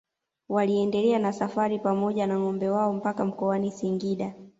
Waliendelea na safari pamoja na ngombe wao mpaka mkoani Singida